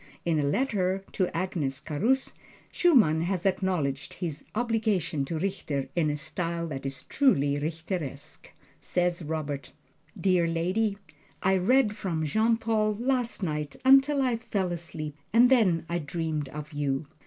In a letter to Agnes Carus, Schumann has acknowledged his obligation to Richter, in a style that is truly Richteresque. Says Robert: Dear Lady: I read from Jean Paul last night until I fell asleep and then I dreamed of you.